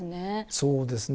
そうですね。